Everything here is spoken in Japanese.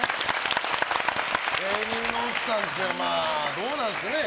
芸人の奥さんってどうなんですかね。